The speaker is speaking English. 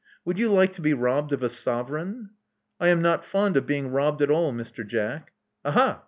Would you like to be robbed of a sovereign?" "I am not fond of being robbed at all, Mr. Jack. " "Aha!